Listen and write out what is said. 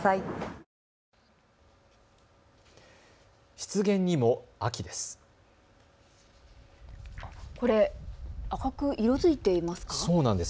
湿原にも秋です。